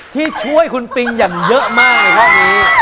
ที่ช่วยคุณปิงอย่างเยอะมากครับ